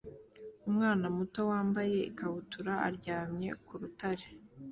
Umwana muto wambaye ikabutura aryamye ku rutare